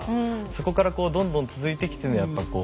そこからこうどんどん続いてきてるのやっぱこう。